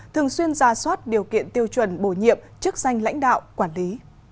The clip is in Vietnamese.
thường xuyên ra soát điều kiện tiêu chuẩn bổ nhiệm chức danh lãnh đạo quản lý